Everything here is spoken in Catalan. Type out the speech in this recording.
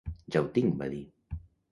"Ja ho tinc", vaig dir.